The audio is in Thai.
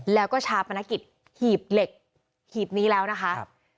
แล้วก็ชาปนกิจหีบเหล็กหีบนี้แล้วนะคะ